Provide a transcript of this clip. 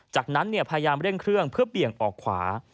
จากนั้นพยายามเร่งเครื่องเพื่อเบี่ยงออกขวา